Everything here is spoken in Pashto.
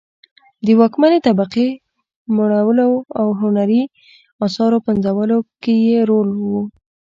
د واکمنې طبقې مړولو او هنري اثارو پنځولو کې یې رول و